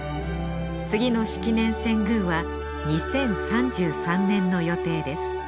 次の式年遷宮は２０３３年の予定です